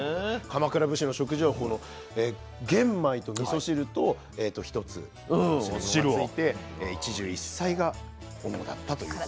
鎌倉武士の食事はこの玄米とみそ汁と一つおかずがついて「一汁一菜」が主だったという。